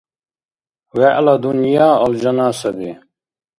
ВегӀла дунъя алжана саби.